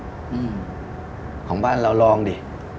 สัญญาแบบของบ้านเราลองดิ